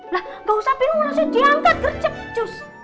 lah gak usah bingung merasa diangkat gercep cus